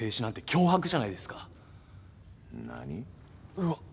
うわっ！